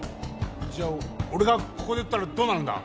じゃ俺がここで撃ったらどうなるんだ？